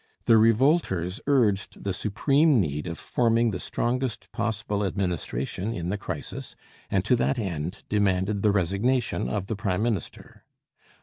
The revolters urged the supreme need of forming the strongest possible administration in the crisis, and to that end demanded the resignation of the prime minister.